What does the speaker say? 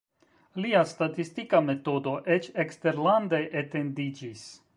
Lia statistika metodo eĉ eksterlande etendiĝis.